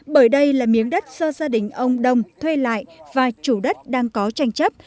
bởi đây là miếng đất do gia đình ông đông thuê lại và chủ đất đang có tranh chấp